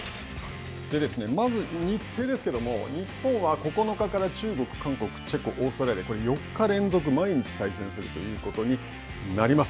まず日程ですけども、日本は９日から中国、韓国、チェコ、これ、４日連続、毎日対戦するということになります。